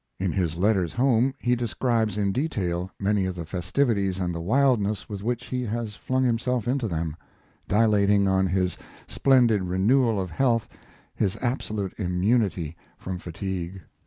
In his letters home he describes in detail many of the festivities and the wildness with which he has flung himself into them, dilating on his splendid renewal of health, his absolute immunity from fatigue.